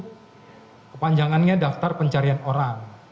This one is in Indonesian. itu kepanjangannya daftar pencarian orang